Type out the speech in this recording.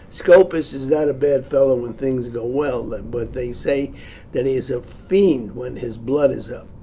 Scopus is not a bad fellow when things go well, but they say that he is a fiend when his blood is up.